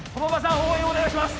応援お願いします